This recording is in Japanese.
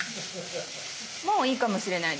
もういいかもしれないです。